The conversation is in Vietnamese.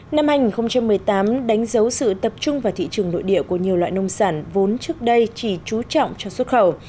năm hai nghìn một mươi tám đánh dấu sự tập trung vào thị trường nội địa của nhiều loại nông sản vốn trước đây chỉ trú trọng cho xuất khẩu